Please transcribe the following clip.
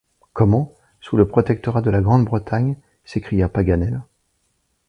Comment! sous le protectorat de la Grande-Bretagne ! s’écria Paganel.